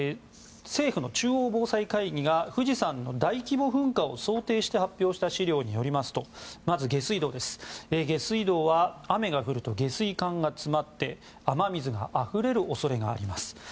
政府の中央防災会議が富士山の大規模噴火を想定して発表した資料によりますとまず下水道は雨が降ると下水管が詰まって雨水があふれる恐れがあります。